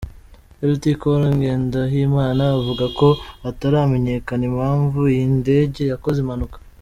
Lt Col Ngendahimana avuga ko hataramenyekana impamvu iyi ndege yakoze impanuka.